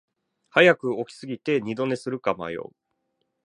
早く起きすぎて二度寝するか迷う